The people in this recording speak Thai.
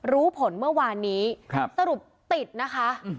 รู้ผลเมื่อวานนี้สรุปติดนะคะ